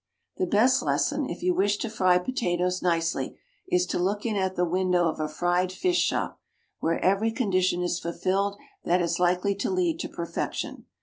The best lesson, if you wish to fry potatoes nicely, is to look in at the window of a fried fish shop, where every condition is fulfilled that is likely to lead to perfection.